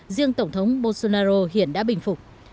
riêng tổng thống bolsonaro hiện đã bình phục